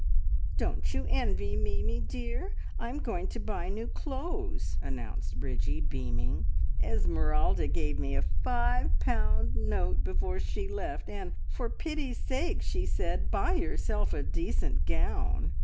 "Don't you envy me, me dear? I am going to buy new clothes!" announced Bridgie, beaming. "Esmeralda gave me a five pound note before she left, and, `For pity's sake,' she said, `buy yourself a decent gown!